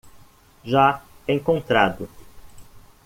Já encontrado